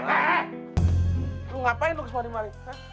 lo ngapain lo kesempatan sempatan